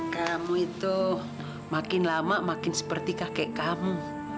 kamu itu makin lama makin seperti kakek kamu